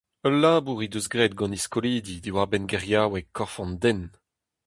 Ul labour he deus graet gant he skolidi diwar-benn geriaoueg korf an den.